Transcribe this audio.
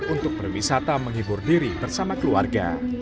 untuk berwisata menghibur diri bersama keluarga